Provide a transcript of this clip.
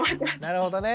なるほどね。